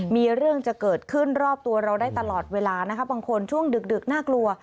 มีเรื่องจะเกิดขึ้นรอบตัวเราได้ตลอดเวลานะคะบางคนช่วงดึกน่ากลัว